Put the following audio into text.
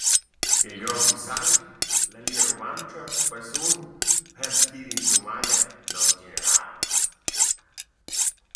Il grond cussagl, la Lia rumantscha –quai sun, per dir in sumaglia, noss generals.